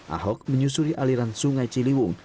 ahok menyusuri aliran sungai ciliwung